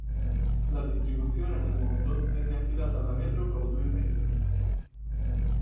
La distribuzione nel mondo venne affidata alla Metro-Goldwyn-Mayer.